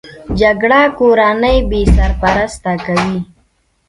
جګړه کورنۍ بې سرپرسته کوي